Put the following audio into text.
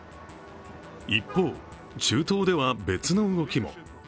一方、中東では別の動きも。